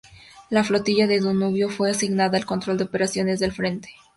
La flotilla del Danubio fue asignada al control de operaciones del Frente.